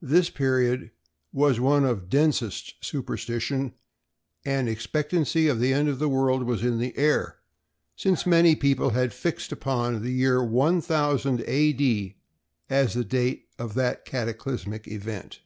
This period was one of densest superstition, and expectancy of the end of the world was in the air, since many people had fixed upon the year 1000 A. D. as the date of that cataclysmic event.